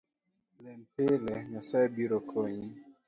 Lem pile ,Nyasae biro konyi